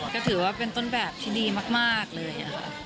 ก็ถือว่าเป็นต้นแบบที่ดีมากเลยค่ะ